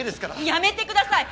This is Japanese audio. やめてください！